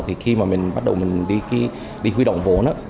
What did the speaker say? thì khi mà mình bắt đầu đi huy động vốn